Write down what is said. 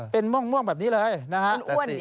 เป็นมะม่วงแบบนี้เลยนะครับ